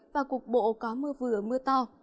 và cục bộ có mưa vừa mưa to